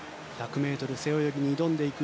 １００ｍ背泳ぎに挑んでいく